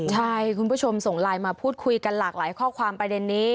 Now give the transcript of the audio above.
ใช่คุณผู้ชมส่งไลน์มาพูดคุยกันหลากหลายข้อความประเด็นนี้